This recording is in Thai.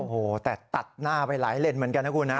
โอ้โหแต่ตัดหน้าไปหลายเลนเหมือนกันนะคุณฮะ